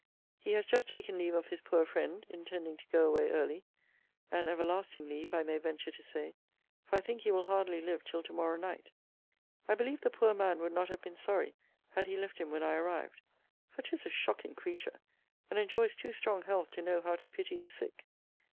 He has just taken leave of his poor friend, intending to go away early: an everlasting leave, I may venture to say; for I think he will hardly live till to morrow night. I believe the poor man would not have been sorry had he left him when I arrived; for 'tis a shocking creature, and enjoys too strong health to know how to pity the sick.